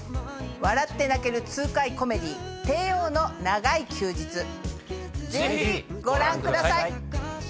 笑って泣ける痛快コメディー『テイオーの長い休日』ぜひご覧ください。